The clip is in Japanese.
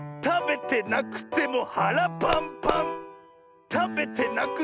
たべてなくてもはらパンパン！